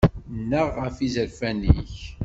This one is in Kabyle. Nnaɣ ɣef yizerfan-ik.